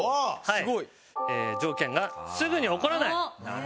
すごい！条件がすぐに怒らない。